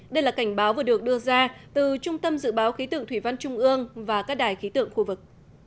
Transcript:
đây là cảnh báo vừa được đưa ra từ trung tâm dự báo khí tượng thủy văn trung ương và các đài khí tượng khu vực